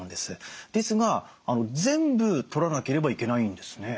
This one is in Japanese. ですが全部とらなければいけないんですね？